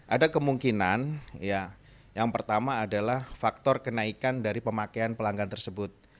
ada kemungkinan ya yang pertama adalah faktor kenaikan dari pemakaian pelanggan tersebut